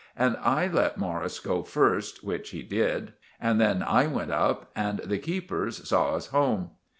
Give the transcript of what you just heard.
And I let Morris go first, which he did; and then I went up, and the keepers saw us home.